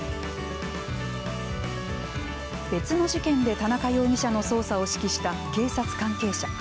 別の事件で田中容疑者の捜査を指揮した警察関係者。